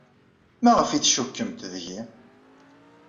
Maɣef ay tcikkemt deg-i?